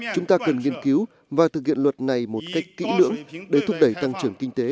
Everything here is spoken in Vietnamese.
chúng ta cần nghiên cứu và thực hiện luật này một cách kỹ lưỡng để thúc đẩy tăng trưởng kinh tế